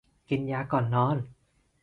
กินยาก่อนนอน